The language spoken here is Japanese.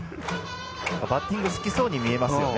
バッティング好きそうに見えますよね。